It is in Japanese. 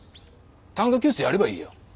短歌教室やればいいよ。